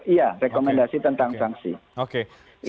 iya rekomendasi tentang sanksi